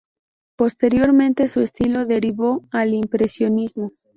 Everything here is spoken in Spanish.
Posteriormente, su estilo derivó al impresionismo.